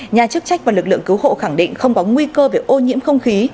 nhà chức trách và lực lượng cứu hộ khẳng định không có nguy cơ về ô nhiễm không khí